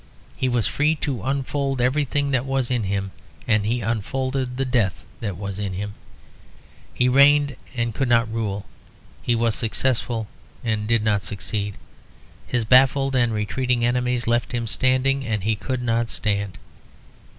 He was free to unfold everything that was in him, and he unfolded the death that was in him. He reigned and he could not rule; he was successful and he did not succeed. His baffled and retreating enemies left him standing, and he could not stand.